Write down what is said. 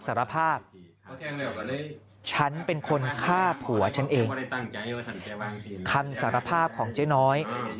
สารภาพฉันเป็นคนฆ่าผัวฉันเองคำสารภาพของเจ๊น้อย